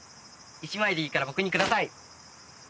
一枚でいいから僕にください！